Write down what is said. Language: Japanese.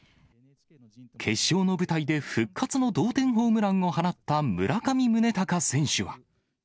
決勝の舞台で復活の同点ホームランを放った村上宗隆選手は。